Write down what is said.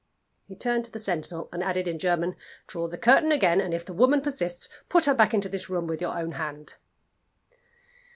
He turned to the sentinel and added in German, "Draw the curtain again; and if the woman persists, put her back into this room with your own hand."